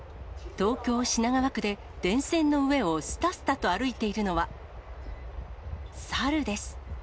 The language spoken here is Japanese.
東京・品川区で電線の上をすたすたと歩いているのは、サルです。